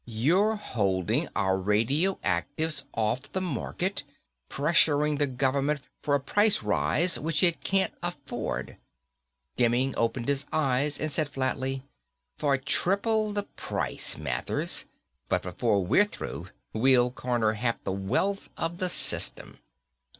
"You're holding our radioactives off the market, pressuring the government for a price rise which it can't afford." Demming opened his eyes and said fatly, "For triple the price, Mathers. Before we're through, we'll corner half the wealth of the system."